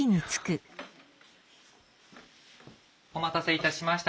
お待たせいたしました。